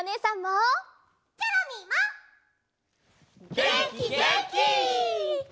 げんきげんき！